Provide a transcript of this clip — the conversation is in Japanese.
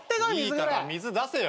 いいから水出せよ。